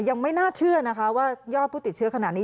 ยังไม่น่าเชื่อนะคะว่ายอดผู้ติดเชื้อขนาดนี้